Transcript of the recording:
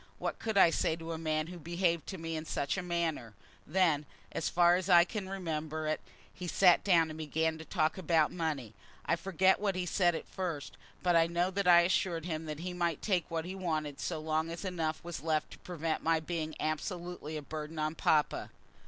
What could I say to a man who behaved to me in such a manner? Then, as far as I can remember it, he sat down and began to talk about money. I forget what he said at first, but I know that I assured him that he might take what he wanted so long as enough was left to prevent my being absolutely a burden on papa.